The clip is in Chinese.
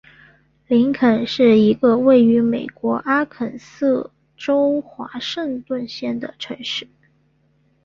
林肯是一个位于美国阿肯色州华盛顿县的城市。